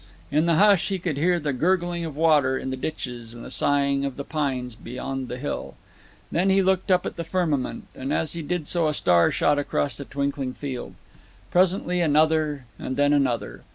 In the hush he could hear the gurgling of water in the ditches, and the sighing of the pines beyond the hill. Then he looked up at the firmament, and as he did so a star shot across the twinkling field. Presently another, and then another.